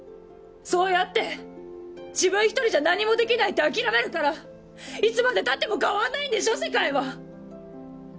そうやって自分一人じゃ何もできないって諦めるからいつまでたっても変わんないんでしょ世界は！